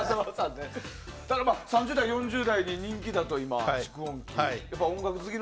３０代、４０代に人気だという蓄音機。